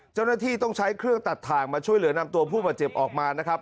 เจ้าหน้าที่ต้องใช้เครื่องตัดถ่างมาช่วยเหลือนำตัวผู้บาดเจ็บออกมานะครับ